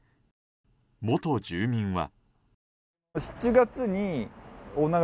元住民は。